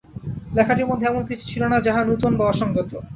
লেখাটির মধ্যে এমন কিছুই ছিল না যাহা নূতন বা অসংগত।